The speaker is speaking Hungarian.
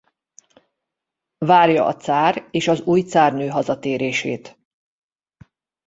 Várja a cár és az új cárnő hazatérését.